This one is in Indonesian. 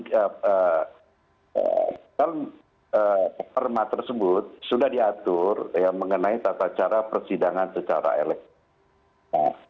karena perma tersebut sudah diatur mengenai tata cara persidangan secara elektronik